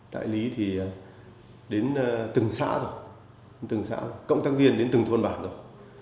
đại lý thì đến từng xã rồi từng xã cộng tác viên đến từng thôn bản rồi